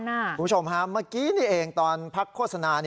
คุณผู้ชมฮะเมื่อกี้นี่เองตอนพักโฆษณา